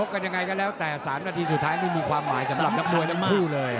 กันยังไงก็แล้วแต่๓นาทีสุดท้ายนี่มีความหมายสำหรับนักมวยทั้งคู่เลย